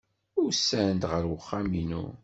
Usan-d ɣer uxxam-inu.